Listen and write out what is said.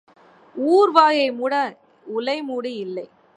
ஊர் வாயை மூட உலை மூடி இல்லை.